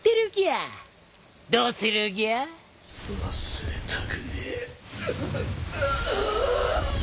忘れたくねえうう。